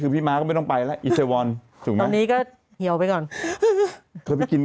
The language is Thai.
ไปอีกแล้วบนโอบี